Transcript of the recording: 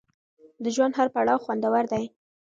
د ژوند هر پړاو خوندور دی.